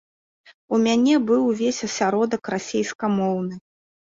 У мяне быў увесь асяродак расейскамоўны.